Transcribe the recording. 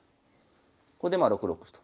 ここでまあ６六歩と。